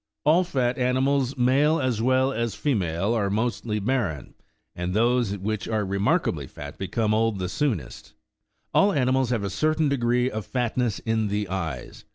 All fat animals, male as well as female, are mostly barren ; and those which are remarkably fat become old the soonest. All animals have a certain degree of fatness in the eyes.